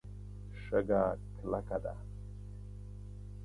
شګه کلکه ده.